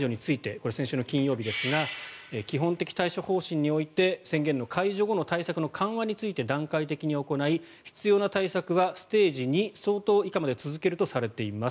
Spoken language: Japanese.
これは先週の金曜日ですが基本的対処方針において宣言の解除後の対策の緩和について段階的に行い、必要な対策はステージ２相当以下まで続けるとされています。